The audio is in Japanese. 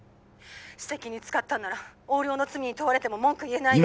☎私的に使ったのなら横領の罪に問われても文句言えない